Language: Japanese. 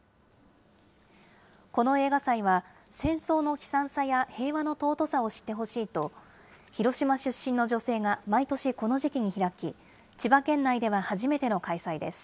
この映画祭は、戦争の悲惨さや平和の尊さを知ってほしいと、広島出身の女性が毎年この時期に開き、千葉県内では初めての開催です。